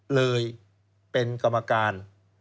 เลยเป็นกรรมการ